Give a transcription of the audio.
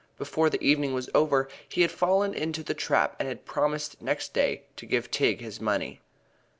Before the evening was over he had fallen into the trap and had promised next day to give Tigg his money.